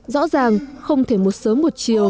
rõ ràng không thể một sớm một chiều